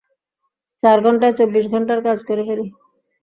চার ঘন্টায় ছব্বিশ ঘন্টার কাজ করে ফেলি।